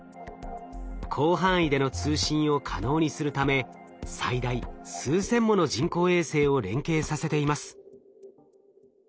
広範囲での通信を可能にするため最大数千もの人工衛星を連携させています。